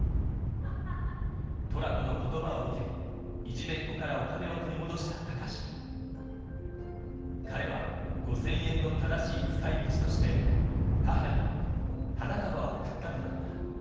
トラコの言葉を受けいじめっ子からお金を取り戻した高志彼は５０００円の正しい使い道として母に花束を贈ったのだった